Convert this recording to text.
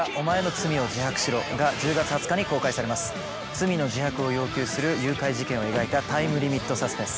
罪の自白を要求する誘拐事件を描いたタイムリミットサスペンス。